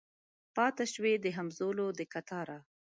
پاته شوي د همزولو د کتاره